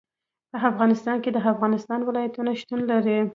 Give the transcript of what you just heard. په افغانستان کې د افغانستان ولايتونه شتون لري.